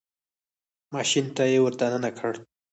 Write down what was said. ماشین ته یې ور دننه کړ.